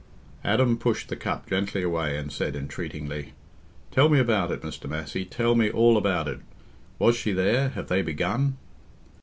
Adam pushed the cup gently away and said, entreatingly, "Tell me about it, Mr. Massey—tell me all about it. Was she there? Have they begun?"